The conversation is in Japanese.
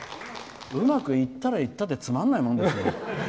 うまくいったらいったでつまんないもんですね。